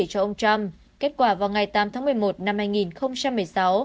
cho ông trump kết quả vào ngày tám tháng một mươi một năm hai nghìn một mươi sáu